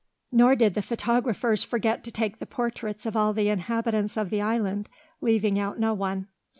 Nor did the photographers forget to take the portraits of all the inhabitants of the island, leaving out no one.